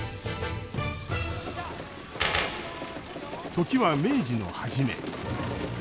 時は明治の初め。